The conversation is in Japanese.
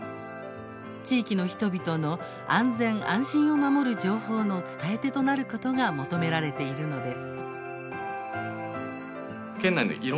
地域の人々の安全・安心を守る情報の伝え手となることが求められているのです。